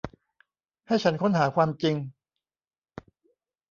ให้ฉันค้นหาความจริง